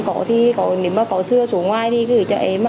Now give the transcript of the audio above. có thì có nếu mà có thưa số ngoài thì gửi cho em ạ